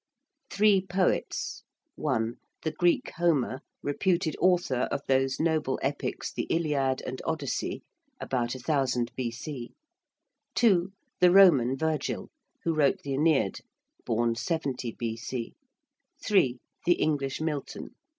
~Three Poets~: i. the Greek Homer, reputed author of those noble epics the 'Iliad' and 'Odyssey' (about 1000 B.C.); ii. the Roman Virgil, who wrote the 'Æneid' (born 70 B.C.); iii. the English Milton.